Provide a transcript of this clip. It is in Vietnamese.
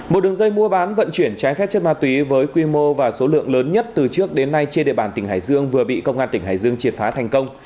một đường dây mua bán vận chuyển trái phép chất ma túy với quy mô và số lượng lớn nhất từ trước đến nay trên địa bàn tỉnh hải dương vừa bị công an tỉnh hải dương triệt phá thành công